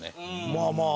まあまあ。